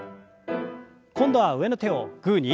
今度は上の手をグーに。